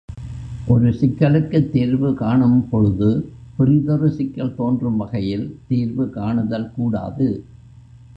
ஒரு சிக்கலுக்குத் தீர்வு காணும்பொழுது பிறிதொரு சிக்கல் தோன்றும் வகையில் தீர்வு காணுதல் கூடாது.